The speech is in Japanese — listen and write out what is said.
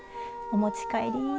お持ち帰り。